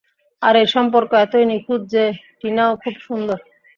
আর এই সম্পর্ক এতই নিখুঁত যে, টিনাও খুব সুন্দর।